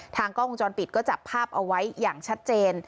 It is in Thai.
กล้องวงจรปิดก็จับภาพเอาไว้อย่างชัดเจน